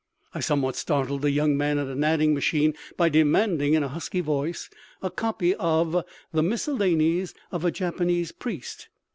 I somewhat startled a young man at an adding machine by demanding, in a husky voice, a copy of "The Miscellanies of a Japanese Priest."